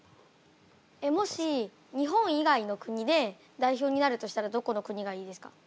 もし日本以外の国で代表になるとしたらどこの国がいいですか？